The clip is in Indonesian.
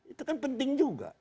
itu kan penting juga